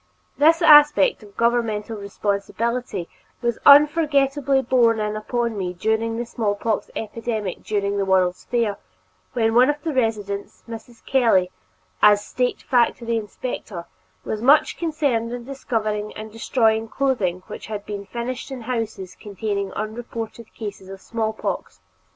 This aspect of governmental responsibility was unforgettably borne in upon me during the smallpox epidemic following the World's Fair, when one of the residents, Mrs. Kelley, as State Factory Inspector, was much concerned in discovering and destroying clothing which was being finished in houses containing unreported cases of smallpox.